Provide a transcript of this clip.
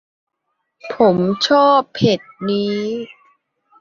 ผมชอบเพจนี้